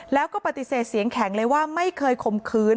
แล้วก็ปฏิเสธเสียงแข็งเลยว่าไม่เคยข่มขืน